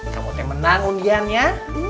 kamu tuh yang menang undian ya